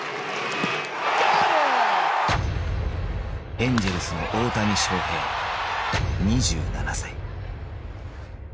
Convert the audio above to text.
エンジェルスの大谷翔平２７歳。